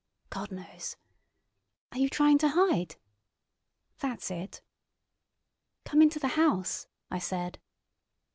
"God knows." "Are you trying to hide?" "That's it." "Come into the house," I said.